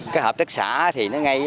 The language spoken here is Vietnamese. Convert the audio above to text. cái hợp tác xã thì nó ngay